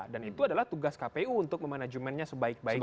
dan itu adalah tugas kpu untuk memanajemennya sebaik baiknya